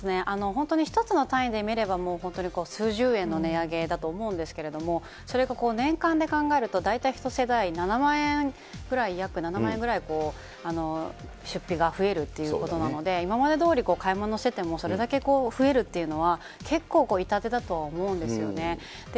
本当に１つの単位で見れば、本当に数十円の値上げだと思うんですけれども、それがこう、年間で考えると、大体１世帯７万円くらい、約７万円ぐらい出費が増えるっていうことなので、今までどおり買い物してても、それだけ増えるというのは、結構、痛手だと思うんですよね。